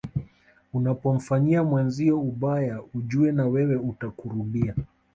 Unapomfanyia mwenzio ubaya ujue na wewe utakurudia